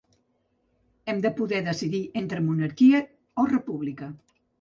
Hem de poder decidir entre monarquia o república.